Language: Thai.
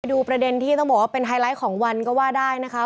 ดูประเด็นที่ต้องบอกว่าเป็นไฮไลท์ของวันก็ว่าได้นะคะ